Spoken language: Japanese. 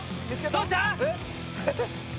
どうした！？